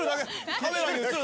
カメラに映るだけ。